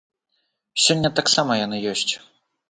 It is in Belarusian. Сёння таксама яны ёсць.